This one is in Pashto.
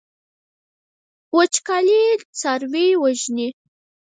وچکالي څاروي وژني.